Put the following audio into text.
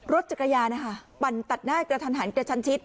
รถจักรยานนะคะปั่นตัดหน้ากระทันหันกระชันชิด